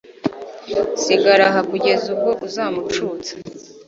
sigara aha kugeza ubwo uzamucutsa